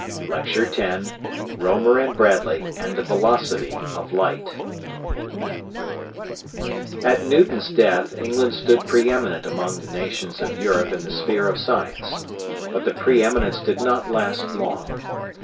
LECTURE X ROEMER AND BRADLEY AND THE VELOCITY OF LIGHT At Newton's death England stood pre eminent among the nations of Europe in the sphere of science. But the pre eminence did not last long.